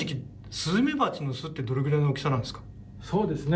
スズメバチの巣ってどれぐらいの大きさなんですか？